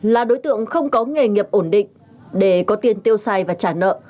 là đối tượng không có nghề nghiệp ổn định để có tiền tiêu xài và trả nợ